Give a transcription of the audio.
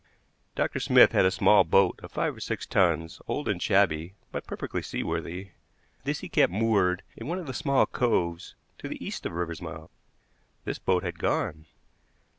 Dr. Smith had a small boat of five or six tons, old and shabby, but perfectly seaworthy. This he kept moored in one of the small coves to the east of Riversmouth. This boat had gone.